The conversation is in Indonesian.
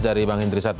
dari bang hindri satri